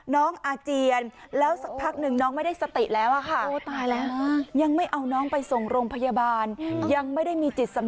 น้องอาเจียนแล้วสักพักนึงน้องไม่ได้สติแล้วค่ะโอ้ตายแล้วค่ะ